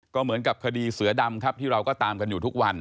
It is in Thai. ก็เหมือนกับคดีเสือดำครับที่เราก็ตามกันอยู่ทุกวัน